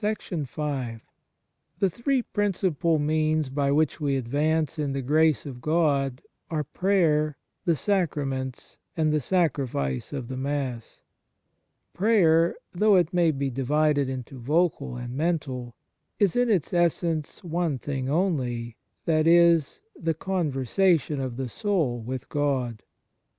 THE three principal means by which we advance in the grace of God are prayer, the sacraments, and the Sacrifice of the Mass. Prayer, though it may be divided into vocal and mental, is in its essence one thing only that is, the con versation of the soul with God.